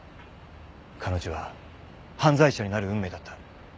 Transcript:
彼女は犯罪者になる運命だった。